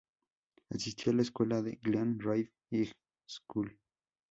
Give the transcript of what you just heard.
Asistió a la escuela Glen Ridge High School.